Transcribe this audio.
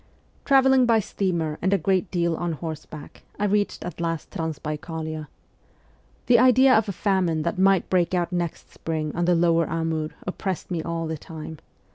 Travelling by steamer and a great deal on horseback I reached at last Transbaikalia. The idea of a famine that might break out next spring on the lower Amur oppressed me all the time.